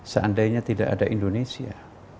seandainya tidak ada indonesia